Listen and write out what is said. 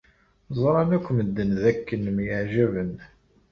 Ẓran akk medden dakken myeɛjaben.